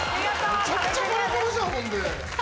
めちゃくちゃパラパラじゃん。